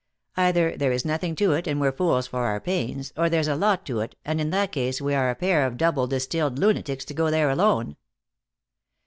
Either there is nothing to it and we're fools for our pains, or there's a lot to it, and in that case we are a pair of double distilled lunatics to go there alone."